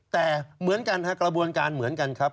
แต่เหมือนกันฮะกระบวนการเหมือนกันครับ